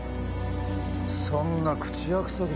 そんな口約束じゃ。